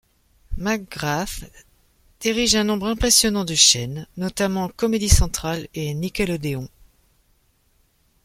McGrath dirige un nombre impressionnant de chaîne, notamment Comedy Central et Nickelodeon.